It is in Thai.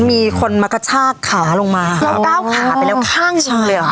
มีคนมากระชากขาลงมาเราก้าวขาไปแล้วข้างหนึ่งเลยเหรอคะ